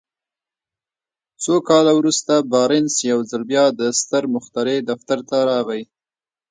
څو کاله وروسته بارنس يو ځل بيا د ستر مخترع دفتر ته راغی.